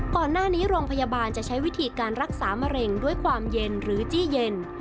ก่อนหน้านี้โรงพยาบาลจะใช้วิธีการรักษามะเร็งด้วยความเย็นหรือจี้เย็น